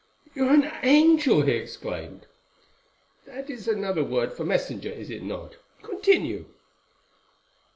"You are an angel," he exclaimed. "That is another word for messenger, is it not? Continue."